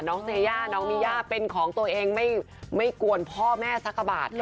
เซย่าน้องมีย่าเป็นของตัวเองไม่กวนพ่อแม่สักกะบาทค่ะ